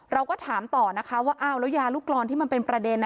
เราก็ถามต่อนะคะว่าอ้าวแล้วยาลูกกรอนที่มันเป็นประเด็น